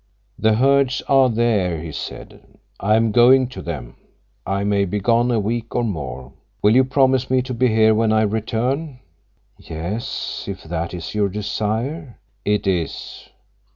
"The herds are there," he said. "I am going to them. I may be gone a week or more. Will you promise me to be here when I return?" "Yes, if that is your desire." "It is."